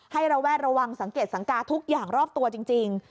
ระแวดระวังสังเกตสังกาทุกอย่างรอบตัวจริง